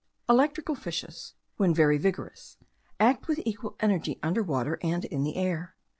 Electrical fishes, when very vigorous, act with equal energy under water and in the air.